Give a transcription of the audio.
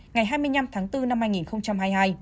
ngày hai mươi năm tháng bốn năm hai nghìn hai mươi hai